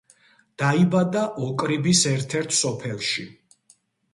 დაიბადა ოკრიბის ერთ-ერთ სოფელში.